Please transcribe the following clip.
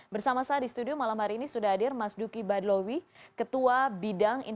bersama saya di studio malam hari ini sudah hadir mas duki badlowi